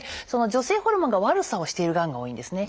女性ホルモンが悪さをしているがんが多いんですね。